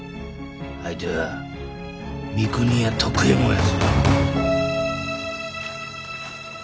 相手は三国屋徳右衛門やぞ。